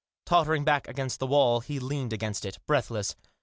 Tottering back against the wall, he leaned against it, breathless.